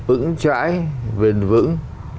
ứng trãi vền vững